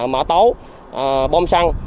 mã tấu bông xăng